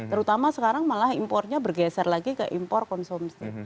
terutama sekarang malah impornya bergeser lagi ke impor konsumsi